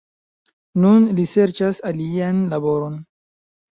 Nun li serĉas alian laboron.